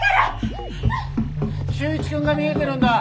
・修一くんが見えてるんだ。